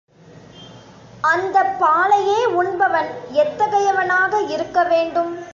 அந்தப் பாலையே உண்பவன் எத்தகையவனாக இருக்க வேண்டும்?